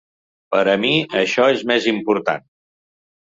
Per a mi això és més important.